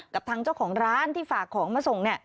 กับทางเจ้าของร้านที่ฝากของมาส่ง